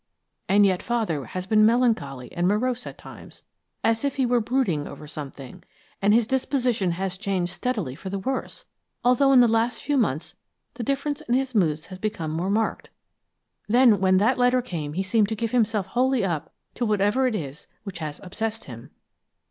And yet Father has been melancholy and morose at times, as if he were brooding over something, and his disposition has changed steadily for the worse, although in the last few months the difference in his moods has become more marked. Then, when that letter came he seemed to give himself wholly up to whatever it is which has obsessed him."